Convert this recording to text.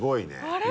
あれ？